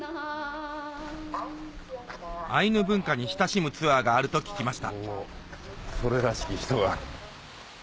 アイヌ文化に親しむツアーがあると聞きましたそれらしき人が。